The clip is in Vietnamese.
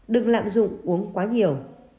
đừng lạm dụng uống quá nhiều